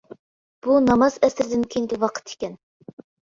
بۇ ناماز ئەسىردىن كېيىنكى ۋاقىت ئىكەن.